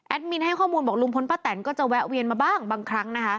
มินให้ข้อมูลบอกลุงพลป้าแตนก็จะแวะเวียนมาบ้างบางครั้งนะคะ